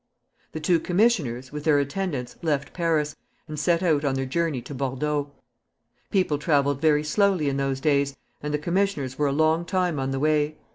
The two commissioners, with their attendants, left Paris, and set out on their journey to Bordeaux. People traveled very slowly in those days, and the commissioners were a long time on the way.